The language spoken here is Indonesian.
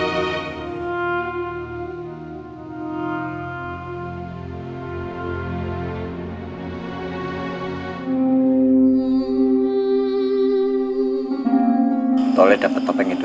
dari mana kamu mendapatkan topeng ini